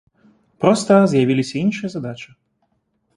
Проста з'явіліся іншыя задачы.